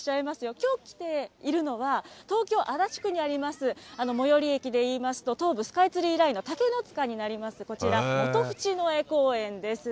きょう来ているのは、東京・足立区にあります、最寄り駅でいいますと、東武スカイツリーラインの竹ノ塚になります、こちら、元渕江公園です。